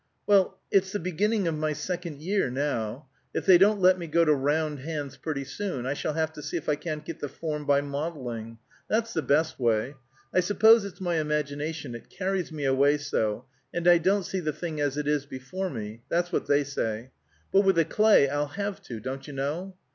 "Well, it's the beginning of my second year, now. If they don't let me go to round hands pretty soon, I shall have to see if I can't get the form by modelling. That's the best way. I suppose it's my imagination; it carries me away so, and I don't see the thing as it is before me; that's what they say. But with the clay, I'll have to, don't you know.